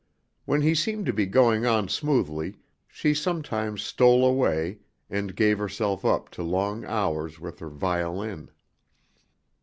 When he seemed to be going on smoothly, she sometimes stole away and gave herself up to long hours with her violin.